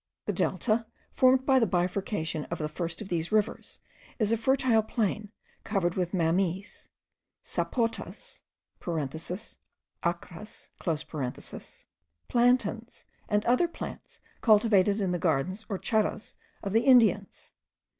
The Delta, formed by the bifurcation of the first of these rivers, is a fertile plain covered with Mammees, Sapotas (achras), plantains, and other plants cultivated in the gardens or charas of the Indians.